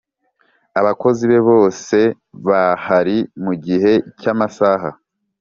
abakozi be bose bahari mu gihe cy amasaha